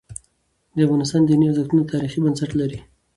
د افغانستان دیني ارزښتونه تاریخي بنسټ لري.